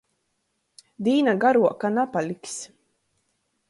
Dīna garuoka napaliks.